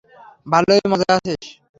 ভালোই মজায় আছিস?